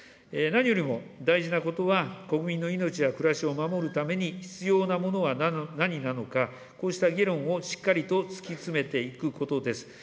何よりも大事なことは、国民の命や暮らしを守るために必要なものは何なのか、こうした議論をしっかりと突き詰めていくことです。